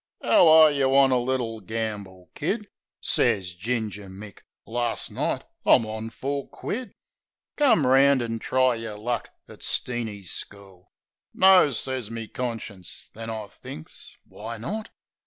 " 'Ow are yeh on a little gamble. Kid ?" Sez Ginger Mick. "Lars' night I'm on four quid. Come 'round an' try yer luck at Steeny's school." BEEF TEA 87 "No," sez me conscience. Then I thinks, "Why not?